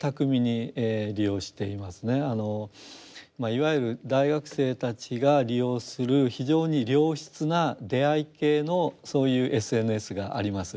いわゆる大学生たちが利用する非常に良質な出会い系のそういうＳＮＳがあります。